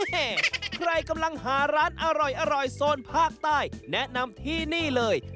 ใครกำลังหาร้านอร่อยโซนภาคใต้แนะนำที่นี่เลย